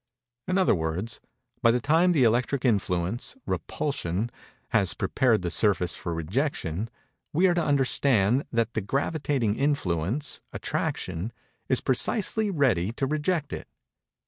In other words:—by the time the electric influence (Repulsion) has prepared the surface for rejection, we are to understand that the gravitating influence (Attraction) is precisely ready to reject it.